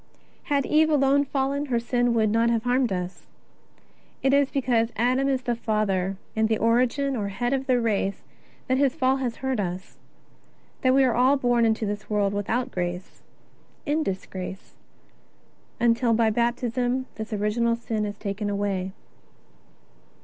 Had Eve alone fallen, her sin would not have harmed us. It is because Adam is the father and the origin or head of the race that his fall has hurt us, that we are all born into this world without grace, in disgrace until by Baptism this original sin is taken away.